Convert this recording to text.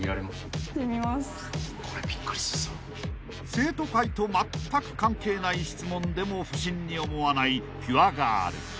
［生徒会とまったく関係ない質問でも不審に思わないピュアガール］